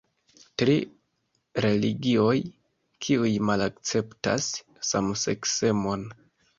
Tri religioj kiuj malakceptas samseksemon.